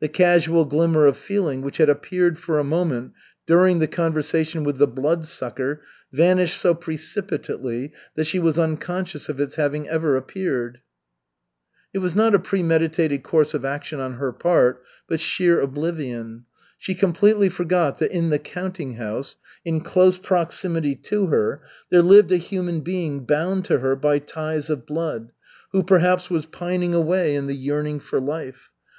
The casual glimmer of feeling which had appeared for a moment during the conversation with the Bloodsucker vanished so precipitately that she was unconscious of its ever having appeared. It was not a premeditated course of action on her part, but sheer oblivion. She completely forgot that in the counting house, in close proximity to her, there lived a human being bound to her by ties of blood, who perhaps was pining away in the yearning for life.